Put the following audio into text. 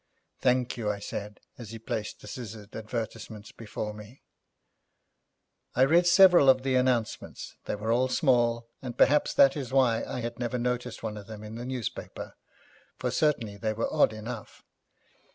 'Thank you,' said I, as he placed the scissored advertisements before me. I read several of the announcements. They were all small, and perhaps that is why I had never noticed one of them in the newspapers, for certainly they were odd enough.